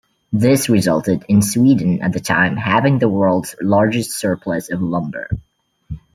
This resulted in Sweden at the time having the world's largest surplus of lumber.